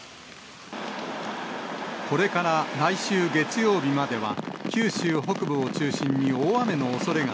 これから来週月曜日までは、九州北部を中心に大雨のおそれが